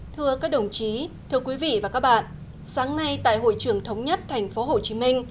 thưa các đồng chí thưa quý vị và các bạn sáng nay tại hội trưởng thống nhất tp hcm